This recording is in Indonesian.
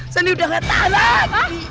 sani udah gak tahu